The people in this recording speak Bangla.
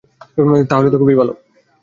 তাহলে তো খুবই ভালো।